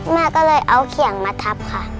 แม่ก็เลยเอาเขียงมาทับค่ะ